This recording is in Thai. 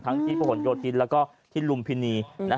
ทั้งที่ประหลโยธินแล้วก็ที่ลุมพินี